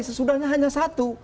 sesudahnya hanya satu